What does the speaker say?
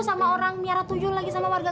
sama orang miara tujuh lagi sama warga